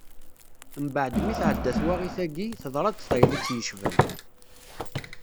Mbeɛd mi teɛedda twaɣit-agi, teḍra-d tayeḍ i tt-yecban.